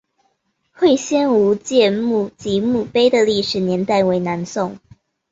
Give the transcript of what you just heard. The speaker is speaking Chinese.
徽县吴玠墓及墓碑的历史年代为南宋。